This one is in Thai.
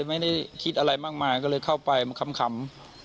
ก็เลยไม่ได้คิดอะไรมากอะไรเข้าไปมาคำ